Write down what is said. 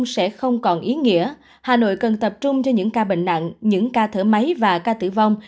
sẽ không còn ý nghĩa hà nội cần tập trung cho những ca bệnh nặng những ca thở máy và ca tử vong